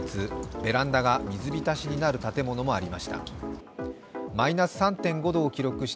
ベランダが水浸しになる建物もありました。